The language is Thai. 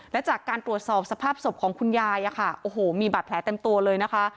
และจากการตรวจสอบสภาพศพของคุณยายอะค่ะโอ้โหมีบาดแผลเต็มตัวเลยนะคะ